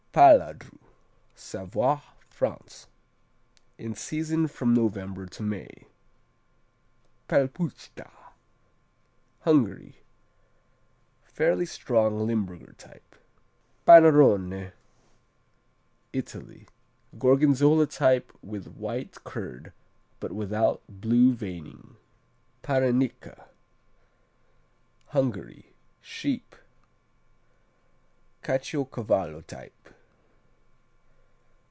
Paladru Savoy, France In season from November to May. Palpuszta Hungary Fairly strong Limburger type. Pannarone Italy Gorgonzola type with white curd but without blue veining. Parenica Hungary Sheep. Caciocavallo type.